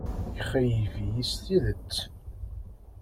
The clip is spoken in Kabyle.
Ixeyyeb-iyi s tidet.